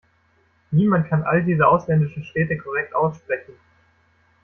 Niemand kann all diese ausländischen Städte korrekt aussprechen.